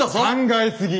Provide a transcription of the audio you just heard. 考え過ぎ！